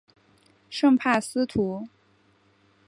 圣帕斯图。